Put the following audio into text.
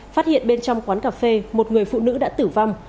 phát hiện bên trong quán cà phê một người phụ nữ đã tử vong